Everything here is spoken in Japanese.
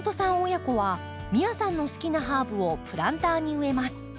親子は美耶さんの好きなハーブをプランターに植えます。